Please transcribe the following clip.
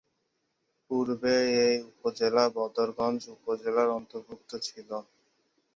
পুর্বে এ উপজেলা বদরগঞ্জ উপজেলার অর্ন্তভূক্ত ছিল।